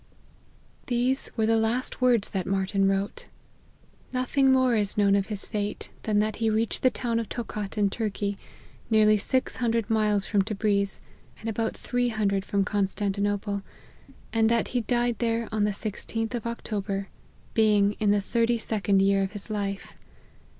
These were the last words that Marty n wrote ! Nothing more is known of his fate than that he reached the town of Tocat, in Turkey, nearly six hundred miles from Tebriz, and about three hundred from Constantinople, and that he died there on the 16th of October, being in the thirty second year of his life.